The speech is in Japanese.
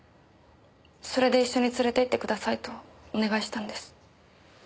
それで一緒に連れていってくださいとお願いしたんです。